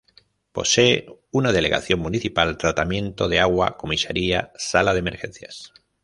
Posee una delegación municipal, tratamiento de agua, comisaría, sala de emergencias.